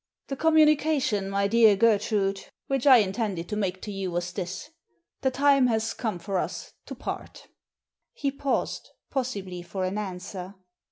"The communication, my dear Gertrude, which I intended to make to you was this. The time has come for us to part" He paused, possibly for an answer.